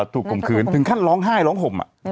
ข่มขืนถึงขั้นร้องไห้ร้องห่ม